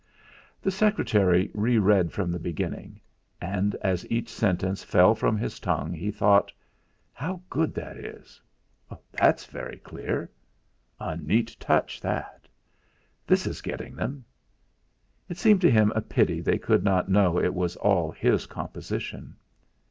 The secretary re read from the beginning; and as each sentence fell from his tongue, he thought: 'How good that is!' 'That's very clear!' 'A neat touch!' 'This is getting them.' It seemed to him a pity they could not know it was all his composition.